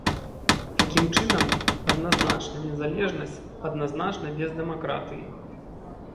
Такім чынам, адназначна незалежнасць адназначна без дэмакратыі.